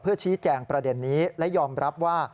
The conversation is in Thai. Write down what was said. ชี้แจงประเด็นนี้และยอมรับว่า